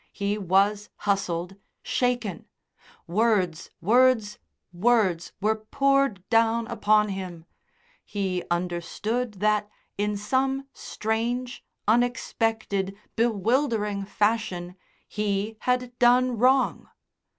He was hustled, shaken; words, words, words were poured down upon him. He understood that, in some strange, unexpected, bewildering fashion he had done wrong.